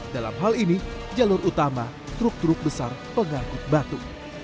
dalam hal ini jalur utama truk truk besar pengangkut batu